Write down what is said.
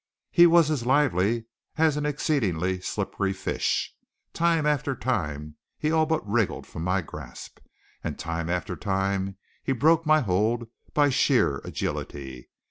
He was as lively as an exceedingly slippery fish. Time after time he all but wriggled from my grasp; and time after time he broke my hold by sheer agility.